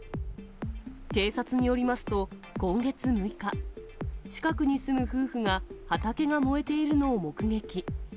警察によりますと、今月６日、近くに住む夫婦が、畑が燃えているのを目撃。